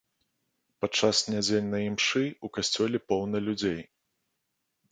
Падчас нядзельнай імшы ў касцёле поўна людзей.